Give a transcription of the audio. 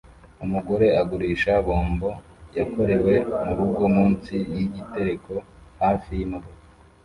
Umugore ugurisha bombo yakorewe murugo munsi yigitereko hafi yimodoka